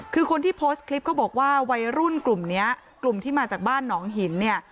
คือคนที่โพสต์คลิปเขาบอกว่าวัยรุ่นกลุ่มเนี้ยกลุ่มที่มาจากบ้านหนองหินเนี่ย